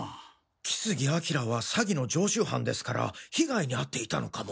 木杉彬は詐欺の常習犯ですから被害にあっていたのかも。